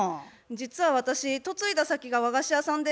実は私嫁いだ先が和菓子屋さんで。